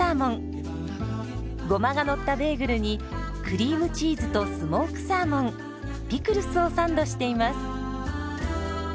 ゴマがのったベーグルにクリームチーズとスモークサーモンピクルスをサンドしています。